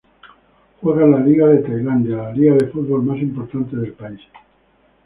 Juega en la Liga de Tailandia, la liga de fútbol más importante del país.